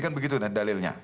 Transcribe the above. kan begitu dalilnya